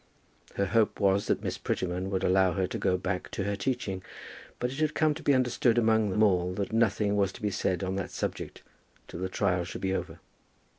Her hope was that Miss Prettyman would allow her to go back to her teaching, but it had come to be understood among them all that nothing was to be said on that subject till the trial should be over.